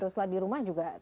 sholat di rumah juga